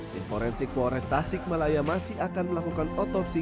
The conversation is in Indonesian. di forensik polres tasikmalaya masih akan melakukan otopsi